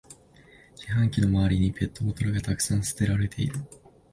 自販機の周りにペットボトルがたくさん捨てられてる